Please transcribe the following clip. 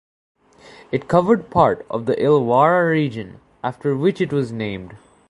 It covered part of the Illawarra region, after which it was named.